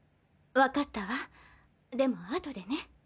分かったわでも後でね。